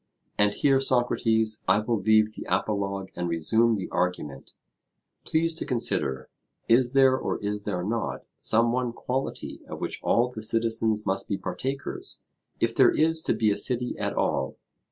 And here, Socrates, I will leave the apologue and resume the argument. Please to consider: Is there or is there not some one quality of which all the citizens must be partakers, if there is to be a city at all?